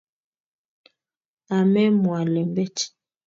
Amemwaa lembech